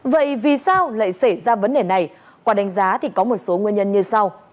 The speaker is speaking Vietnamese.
vậy vì sao lại xảy ra vấn đề này qua đánh giá thì có một số nguyên nhân như sau